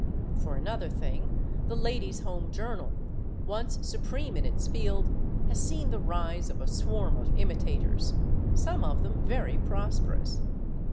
For another thing, the Ladies' Home Journal, once supreme in its field, has seen the rise of a swarm of imitators, some of them very prosperous.